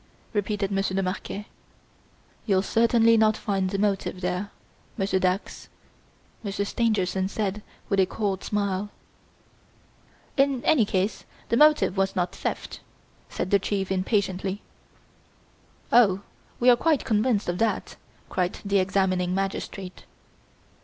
repeated Monsieur de Marquet. "You'll certainly not find the motive there, Monsieur Dax," Monsieur Stangerson said with a cold smile. "In any case, the motive was not theft!" said the Chief impatiently. "Oh! we are quite convinced of that!" cried the examining magistrate.